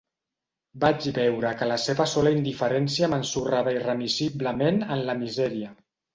Vaig veure que la seva sola indiferència m'ensorrava irremissiblement en la misèria.